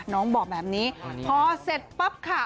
น้องบอกแบบนี้พอเสร็จปั๊บค่ะ